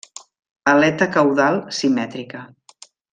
Aleta caudal simètrica.